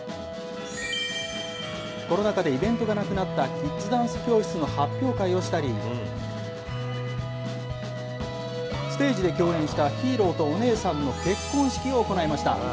例えば、コロナ禍でイベントがなくなったキッズダンス教室の発表会をしたり、ステージで共演したヒーローとお姉さんの結婚式を行いました。